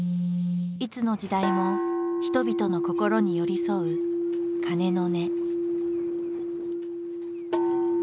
いつの時代も人々の心に寄り添う鐘の音。